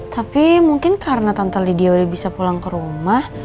tapi mungkin karena tante lidio bisa pulang ke rumah